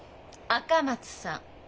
赤松さん。